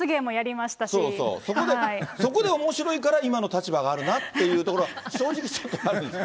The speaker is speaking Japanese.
そうそう、そこでおもしろいから、今の立場があるなっていうところは、正直、あるでしょ。